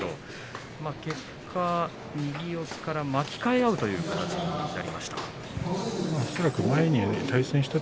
結果、右四つから巻き替え合うという形になりました。